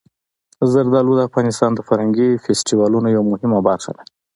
زردالو د افغانستان د فرهنګي فستیوالونو یوه مهمه برخه ده.